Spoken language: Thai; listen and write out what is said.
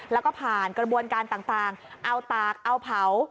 แล้วก็ผ่านกระบวนการต่างเอาตากเอาเผา